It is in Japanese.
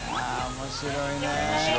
面白いね。